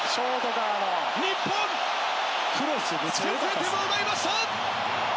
日本先制点を奪いました！